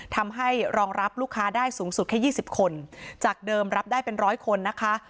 ทำให้รองรับลูกค้าได้สูงสุดแค่๒๐คนจากเดิมรับได้เป็นร้อยคนนะคะ